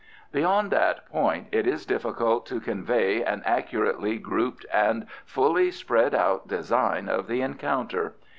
Beyond that point it is difficult to convey an accurately grouped and fully spread out design of the encounter.